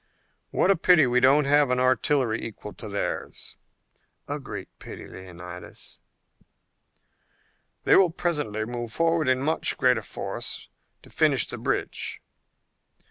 "What a pity we don't have an artillery equal to theirs." "A great pity, Leonidas." "They will presently move forward in much greater force to finish the bridge."